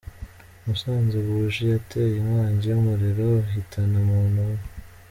Musanze Buji yateye inkongi y’umuriro uhitana umuntu umwe